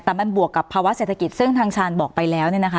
แต่มันบวกกับภาวะเศรษฐกิจซึ่งทางชาญบอกไปแล้วเนี่ยนะคะ